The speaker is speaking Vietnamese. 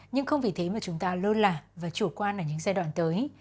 nhưng không vì thế mà chúng ta lơ lạc và chủ quan ở những giai đoạn tới